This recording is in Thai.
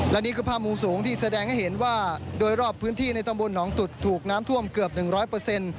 และนี่คือภาพมุมสูงที่แสดงให้เห็นว่าโดยรอบพื้นที่ในตำบลหนองตุดถูกน้ำท่วมเกือบหนึ่งร้อยเปอร์เซ็นต์